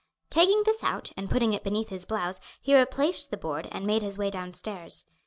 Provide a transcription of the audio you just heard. Taking this out and putting it beneath his blouse he replaced the board and made his way downstairs.